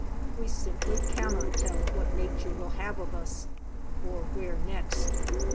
We simply cannot tell what nature will have of us, or where next.